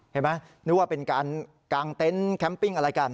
เห็นไหมนึกว่าเป็นกางเต็นต์แคมปปิ้งอะไรกัน